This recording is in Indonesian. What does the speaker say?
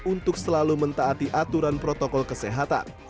untuk selalu mentaati aturan protokol kesehatan